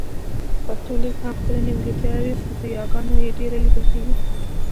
پښتو لیک هم خپله نيمګړتیا لري خو د یاګانو يې ډېره لیدل کېږي